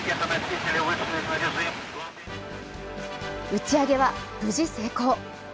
打ち上げは無事成功。